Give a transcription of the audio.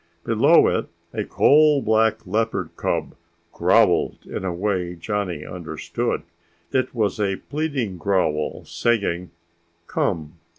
Below it a coal black leopard cub growled in a way Johnny understood. It was a pleading growl saying "Come."